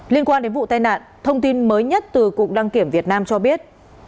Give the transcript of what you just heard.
liên quan đến vụ tai nạn thông tin mới nhất từ cục đăng kiểm việt nam cho biết